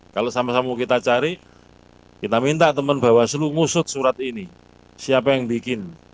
kalau sama sama kita cari kita minta teman teman bahwa seluruh musuh surat ini siapa yang bikin